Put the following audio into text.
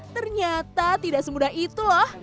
ternyata tidak semudah itu loh